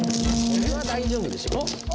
これは大丈夫でしょう。